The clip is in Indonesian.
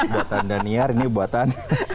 buatan daniar ini buatan